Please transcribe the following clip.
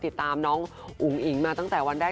ติดตามน้องอุ๋งอิ๋งมาตั้งแต่วันแรก